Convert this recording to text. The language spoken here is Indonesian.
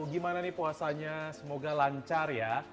gimana nih puasanya semoga lancar ya